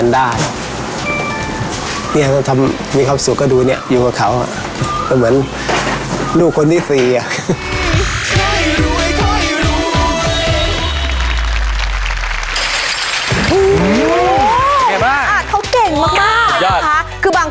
นะตัวจุดที่๒๕๐๐๐นะ